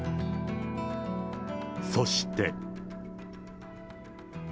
そして。